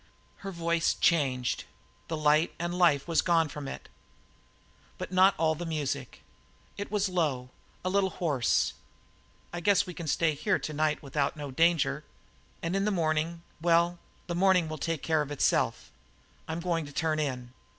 Her voice changed. The light and the life was gone from it, but not all the music. It was low, a little hoarse. "I guess we can stay here tonight without no danger. And in the morning well, the morning can take care of itself. I'm going to turn in."